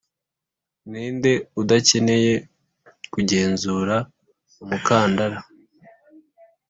ninde udakeneye kugenzura umukandara;